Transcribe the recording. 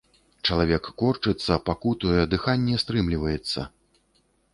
Чалавек корчыцца, пакутуе, дыханне стрымліваецца.